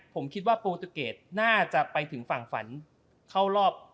ผมคิดว่าโปรตูเกตน่าจะไปถึงฝั่งฝันเข้ารอบ